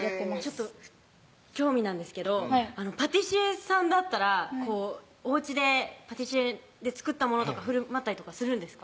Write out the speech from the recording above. ちょっと興味なんですけどパティシエさんだったらおうちでパティシエで作ったものとかふるまったりとかするんですか？